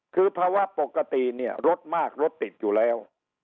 คือภาวะปกติเนี่ยรถมากรถติดอยู่แล้ว